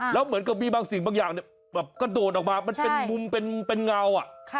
แล้วเหมือนกับมีบางสิ่งบางอย่างแบบกระโดดออกมามันเป็นมุมเป็นเงา